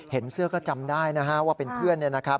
เห็นเสื้อก็จำได้ว่าเป็นเพื่อน